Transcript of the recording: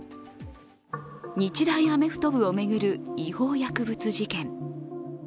日大アメフト部を巡る違法薬物事件。